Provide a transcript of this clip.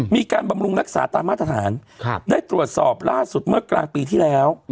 บำรุงรักษาตามมาตรฐานได้ตรวจสอบล่าสุดเมื่อกลางปีที่แล้ว